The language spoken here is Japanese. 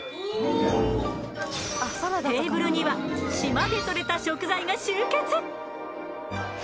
テーブルには島で獲れた食材が集結。